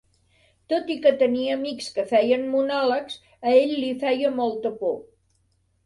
Tot i que tenia amics que feien monòlegs, a ell li feia molta por.